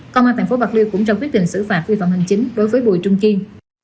công an tp bạc liêu cũng trong quyết định xử phạt vi phạm hành chính đối với bùi trung kiên